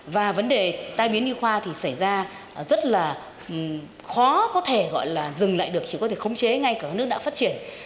và vấn đề tai biến y khoa thì xảy ra rất là khó có thể dừng lại được chỉ có thể khống chế ngay cả nước đã phát triển